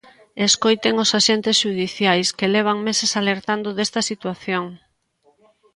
Escoiten os axentes xudiciais, que levan meses alertando desta situación.